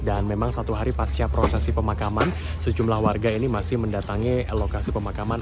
dan memang satu hari pasca prosesi pemakaman sejumlah warga ini masih mendatangi lokasi pemakaman